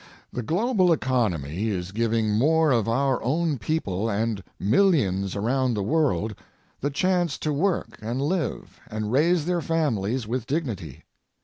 The global economy is giving more of our own people and millions around the world the chance to work and live and raise their families with dignity.